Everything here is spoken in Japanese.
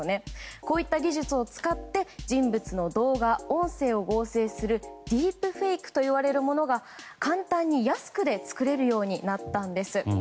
こうした技術を使って人物の動画や音声を合成するディープフェイクが安く簡単に作れるようになったんです。